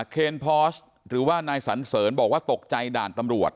เคนพอสหรือว่านายสันเสริญบอกว่าตกใจด่านตำรวจ